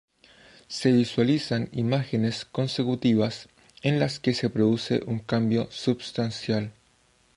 Se visualizan imágenes consecutivas en las que se produce un cambio substancial.